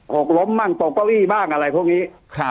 หกล้มมั่งโปรปอรี่บ้างอะไรพวกนี้